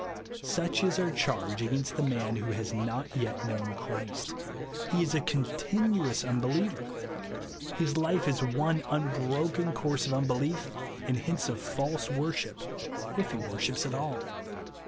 Such is our charge against the man vfho has not yet known Christ. He is a continuous unbeliever. His liie is one unbroken course of unbelief, and hence of false worship, if he Avorships at all.